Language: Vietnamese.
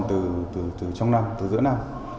từ trong năm từ giữa năm